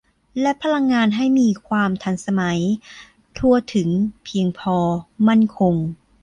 และพลังงานให้มีความทันสมัย ทั่วถึง เพียงพอ มั่นคง